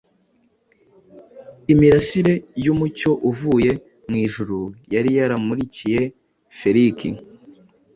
Imirasire y’umucyo uvuye mu ijuru yari yaramurikiye Feliki